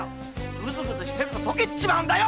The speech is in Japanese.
グズグズしてると解けちまうんだよ。